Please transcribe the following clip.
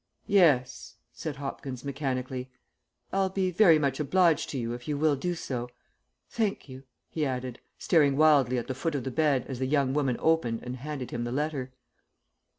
"Yes," said Hopkins mechanically; "I'll be very much obliged to you if you will do so. Thank you," he added, staring wildly at the foot of the bed as the young woman opened and handed him the letter.